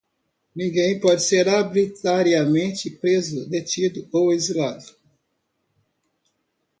Ninguém pode ser arbitrariamente preso, detido ou exilado.